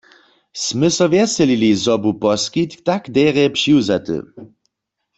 Smy so wjeselili, zo bu poskitk tak derje přiwzaty.